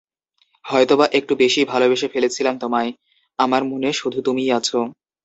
হয়তোবা একটু বেশিই ভালোবেসে ফেলেছিলাম তোমায়, আমার মনে শুধু তুমিই আছো।